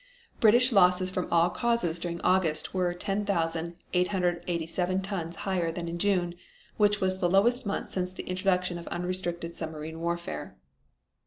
British losses from all causes during August were 10,887 tons higher than in June, which was the lowest month since the introduction of unrestricted submarine warfare.